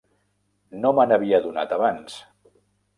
No me n'havia adonat abans.